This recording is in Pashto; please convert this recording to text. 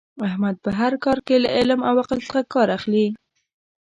احمد په هر کار کې له علم او عقل څخه کار اخلي.